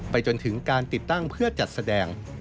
จนถึงการติดตั้งเพื่อจัดแสดง